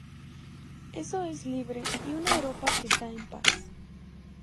Eso es libre y una Europa que está en paz".